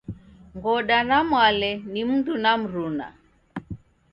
Ngoda na Mwale ni mundu na mruna.